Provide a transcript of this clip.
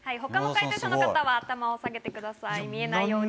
他の解答者の方は頭を下げてください。